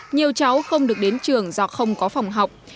nhiều cháu không được đến trường do không có phòng học